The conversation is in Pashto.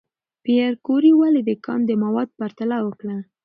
پېیر کوري ولې د کان د موادو پرتله وکړه؟